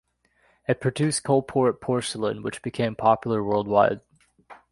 It produced Coalport porcelain which became popular worldwide.